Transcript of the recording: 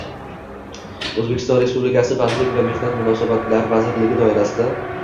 O‘zbekiston Respublikasi Bandlik va mehnat munosabatlari vazirligi doirasida